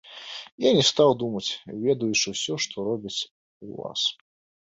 І я не стаў думаць, ведаючы ўсё, што робяць у вас.